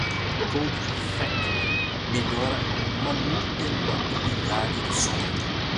Code Refactoring melhora a manutenibilidade do software.